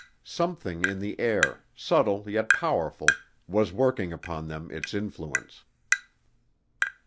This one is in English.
Something in the air, subtle yet powerful, was working upon them its influence.